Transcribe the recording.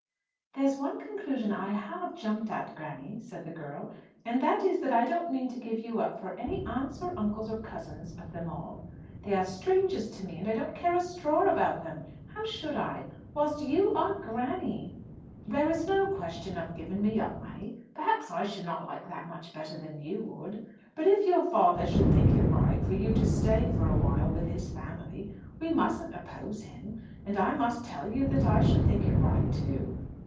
"There's one conclusion I have jumped at, granny," said the girl, "and that is, that I don't mean to give you up for any aunts, or uncles, or cousins of them all. They are strangers to me, and I don't care a straw about them how should I? whilst you are granny!" "There is no question of giving me up, May. Perhaps I should not like that much better than you would. But if your father should think it right for you to stay for a while with his family, we mustn't oppose him. And I must tell you that I should think it right, too."